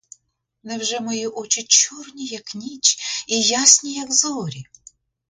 Невже мої очі чорні, як ніч, і ясні, як зорі?